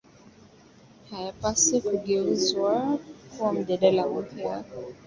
haya paswi kugeuzwa kuwa mjadala mpya